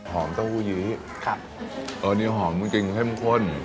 หอมเต้าหู้ยื้อครับเออนี่หอมจริงเท่มข้น